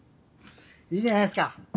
いいじゃないですか。